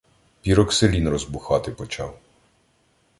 Піроксилін розбухати почав.